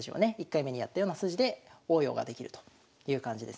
１回目にやったような筋で応用ができるという感じですね。